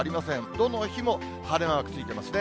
どの日も晴れマークついてますね。